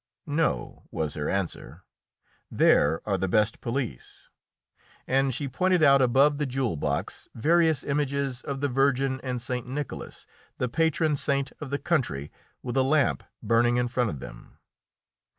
"No," was her answer; "there are the best police." And she pointed out, above the jewel box, various images of the Virgin, and St. Nicholas, the patron saint of the country, with a lamp burning in front of them.